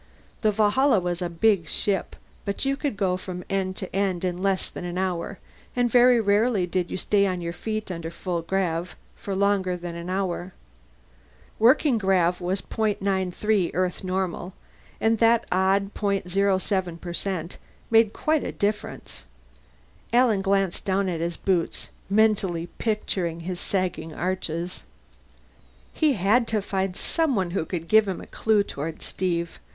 The Valhalla was a big ship, but you could go from end to end in less than an hour, and very rarely did you stay on your feet under full grav for long as an hour. Working grav was .93 Earth normal, and that odd .07% made quite a difference. Alan glanced down at his boots, mentally picturing his sagging arches. He had to find someone who could give him a clue toward Steve.